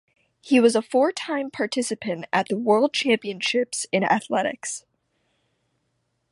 He was a four-time participant at the World Championships in Athletics.